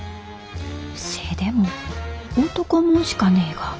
せえでも男もんしかねえが。